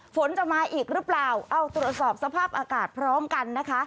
ฝนจะมาอีกหรือเปล่าเอาตรวจสอบสภาพอากาศพร้อมกันนะคะ